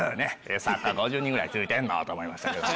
作家５０人ぐらい付いてんの？と思いましたけど。